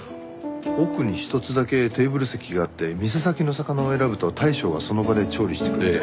奥に一つだけテーブル席があって店先の魚を選ぶと大将がその場で調理してくれて。